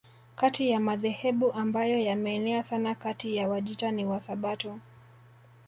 Kati ya madhehebu ambayo yameenea sana kati ya Wajita ni Wasabato